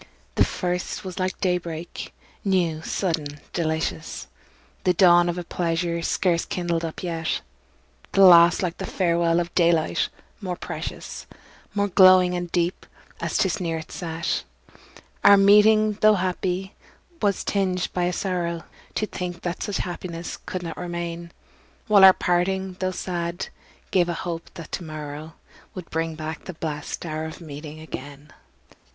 The first was like day break, new, sudden, delicious, The dawn of a pleasure scarce kindled up yet; The last like the farewell of daylight, more precious, More glowing and deep, as 'tis nearer its set. Our meeting, tho' happy, was tinged by a sorrow To think that such happiness could not remain; While our parting, tho' sad, gave a hope that to morrow Would bring back the blest hour of meeting again.